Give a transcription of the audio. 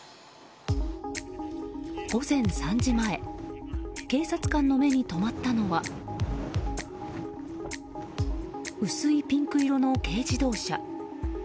午前３時前警察官の目に留まったのは薄いピンク色の軽自動車。